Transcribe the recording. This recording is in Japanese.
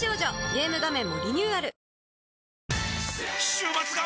週末が！！